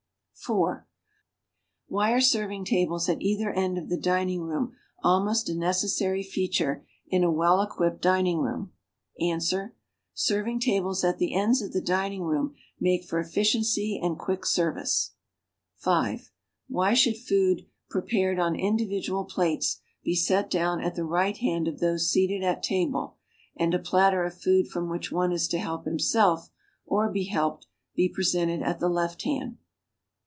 (4) W'hy are ser\'ing tables at cither end of the dining room almost a neces sary feature in a well equipped dining room? Ans. Serving tables at the ends of the dining room make for effi ciency and quick service. (5) Why should food prepared on individual plates be set down at the right hand of those seated at table, and a platter of food from which one is to help himself, or be helped, be presented at the left hand?